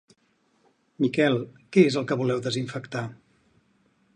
Miquel, què és el que voleu desinfectar?